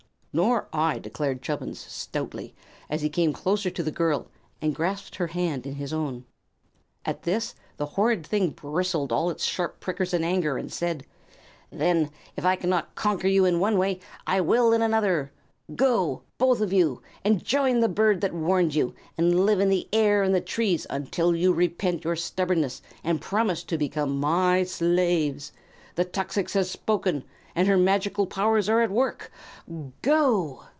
"Nor I," declared Chubbins, stoutly, as he came closer to the girl and grasped her hand in his own. At this the horrid thing bristled all its sharp prickers in anger, and said: "Then, if I cannot conquer you in one way, I will in another. Go, both of you, and join the bird that warned you, and live in the air and the trees until you repent your stubbornness and promise to become my slaves. The tuxix has spoken, and her magical powers are at work. Go!"